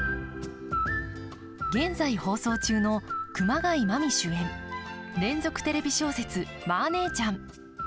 現在、放送中の熊谷真実主演連続テレビ小説「マー姉ちゃん」。